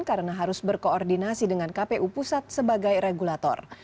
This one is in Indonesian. karena harus berkoordinasi dengan kpu pusat sebagai regulator